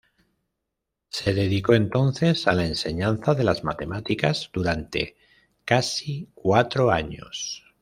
Se dedicó entonces a la enseñanza de las matemáticas durante casi cuatro años.